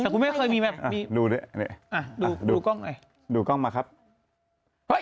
แต่กูไม่เคยมีแบบดูด้วยนี่ดูกล้องหน่อยดูกล้องมาครับโอ้ย